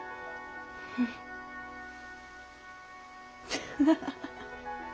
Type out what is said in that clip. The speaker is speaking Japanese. フハハハハ。